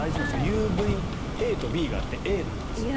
ＵＶＡとＵＶＢがあってＡなんですって。